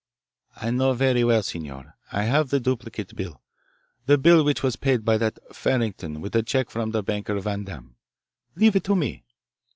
"I know very well, signor. I have the duplicate bill, the bill which was paid by that Farrington with a check from the banker Vandam. Leave it to me."